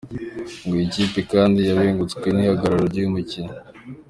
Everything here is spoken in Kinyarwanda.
Ngo iyi kipe kandi yabengutswe n’igihagararo cy’uyu mukinnyi.